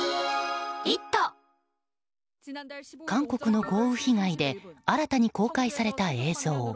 韓国の豪雨被害で新たに公開された映像。